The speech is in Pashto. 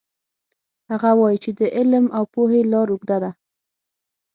هغه وایي چې د علم او پوهې لار اوږده ده